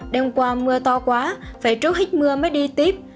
đêm qua mưa to quá phải trút hít mưa mới đi tiếp